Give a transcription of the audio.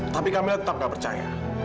tapi kami tetap nggak percaya